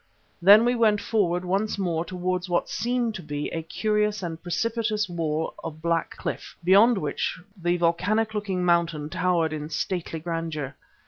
Then we went forward once more towards what seemed to be a curious and precipitous wall of black cliff, beyond which the volcanic looking mountain towered in stately grandeur.